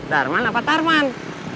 darman apa tarman